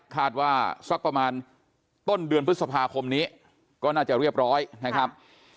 สักประมาณต้นเดือนพฤษภาคมนี้ก็น่าจะเรียบร้อยนะครับ